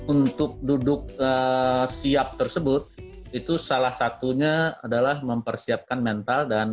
untuk duduk siap tersebut itu salah satunya adalah mempersiapkan mental dan